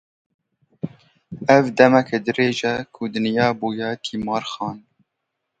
Ev demeke dirêj e ku dinya bûye timarxane.